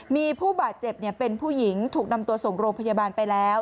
มีผู้บาดเจ็บเป็นผู้หญิงถูกนำตัวส่งโรงพยาบาลไปแล้ว